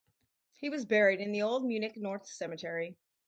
He was buried in the Old Munich North Cemetery.